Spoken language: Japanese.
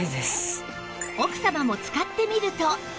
奥様も使ってみると